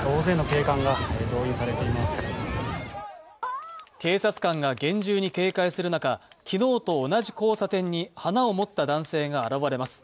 警察官が厳重に警戒する中、昨日と同じ交差点に花を持った男性が現れます。